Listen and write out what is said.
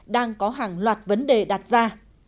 đang có hàng loạt vấn đề đặt ra